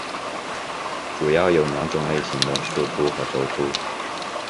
主要有两种类型的树突和轴突。